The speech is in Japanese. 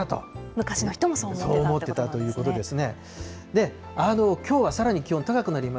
昔の人もそう思っていたということですね。